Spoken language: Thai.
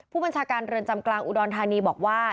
ผู้บัญชาการเรือนจำกลางอุดรธานีบอกว่า